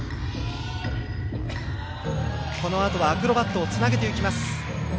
そしてアクロバットをつなげていきます。